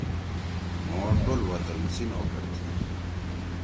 مھو ٹول تُنُو وطن سی نوکر تھی۔